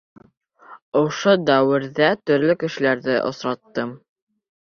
Ошо дәүерҙә төрлө кешеләрҙе осраттым.